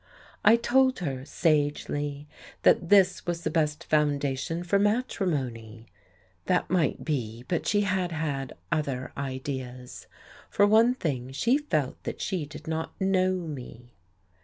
I told her, sagely, that this was the best foundation for matrimony. That might be, but she had had other ideas. For one thing, she felt that she did not know me....